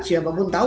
siapa pun tahu